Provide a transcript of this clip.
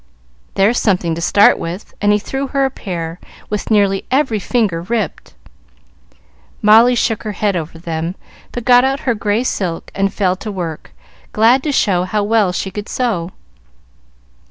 "There's something to start with;" and he threw her a pair, with nearly every finger ripped. Molly shook her head over them, but got out her gray silk and fell to work, glad to show how well she could sew.